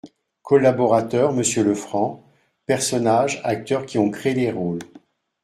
COLLABORATEUR : Monsieur LEFRANC PERSONNAGES Acteurs qui ont créé les rôles.